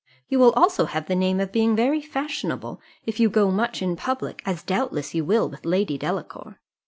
You will also have the name of being very fashionable, if you go much into public, as doubtless you will with Lady Delacour.